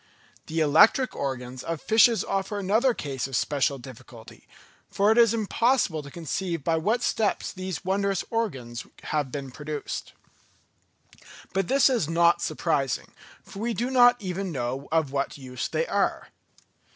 The electric organs of fishes offer another case of special difficulty; for it is impossible to conceive by what steps these wondrous organs have been produced. But this is not surprising, for we do not even know of what use they are.